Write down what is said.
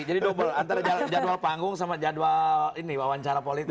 jadi double antara jadwal panggung sama jadwal ini wawancara politik